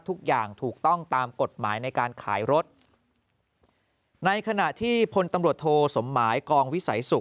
ถูกต้องตามกฎหมายในการขายรถในขณะที่พลตำรวจโทสมหมายกองวิสัยสุข